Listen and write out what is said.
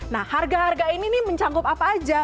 nah harga harga ini nih mencangkup apa aja